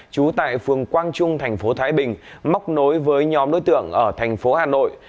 trú tại phường quang trung tp thái bình móc nối với nhóm đối tượng ở tp hà nội